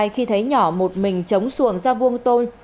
khi thấy nhỏ một mình chống xuồng ra vuông tôi